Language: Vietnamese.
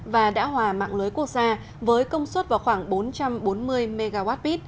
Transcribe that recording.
và đã hòa mạng lưới quốc gia với công suất vào khoảng bốn trăm bốn mươi mwp